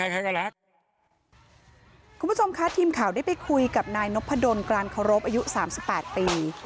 คุณผู้ชมค่ะทีมข่าวได้ไปคุยกับนายนกพะดนการโครบอายุสามสิบแปดปี